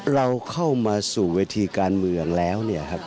เราเข้ามาสู่เวทีการเมืองแล้ว